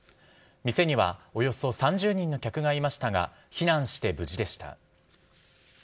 店にはおよそ３０人の客がいましたが、避難して無事でした。